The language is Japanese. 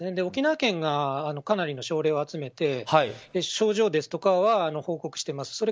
沖縄県がかなりの症例を集めて症状ですとかは報告しています。